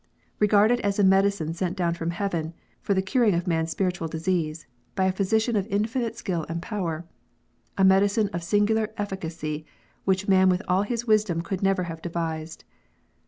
Regard it as a medicine sent down from heaven, for the curing of man s spiritual disease, by a Physician of infinite skill and power ; a medicine of singular efficacy, which man with all his wisdom could never have devised.